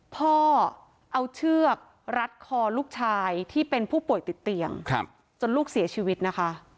พ่อเอาเชือกรัดคอลูกชายที่เป็นผู้ป่วยติดเตียงจนลูกเสียชีวิตนะคะ